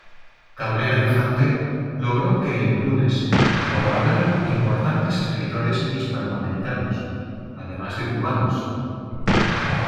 Cabrera Infante logró que en "Lunes" colaboraran importantes escritores hispanoamericanos, además de cubanos.